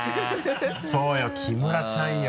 そうよ木村ちゃんよ